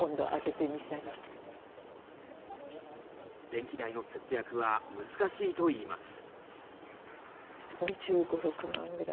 電気代の節約は難しいといいます。